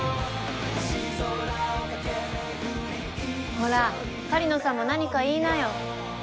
ほら狩野さんも何か言いなよ。